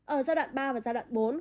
ở giai đoạn ba và giai đoạn bốn